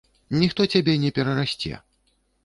Ніхто цябе не перарасце.